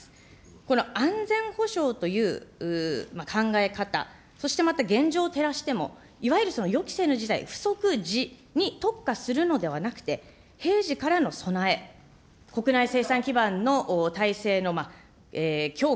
この安全保障という考え方、そしてまた現状照らしても、いわゆる予期せぬ事態、不測時に特化するのではなくて、平時からの備え、国内生産基盤の体制の強化、